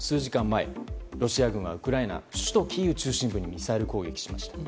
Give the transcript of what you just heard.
前ロシア軍がウクライナ首都キーウを中心にミサイル攻撃しました。